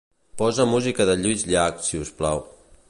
Posa música de Lluís Llach, si us plau.